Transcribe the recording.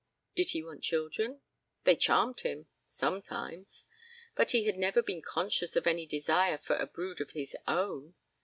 Did he want children? They charmed him sometimes but he had never been conscious of any desire for a brood of his own.